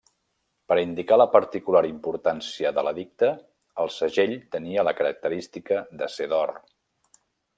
Per indicar la particular importància de l'edicte, el segell tenia la característica de ser d'or.